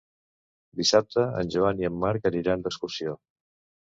Dissabte en Joan i en Marc aniran d'excursió.